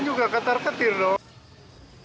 ini juga keter keter dong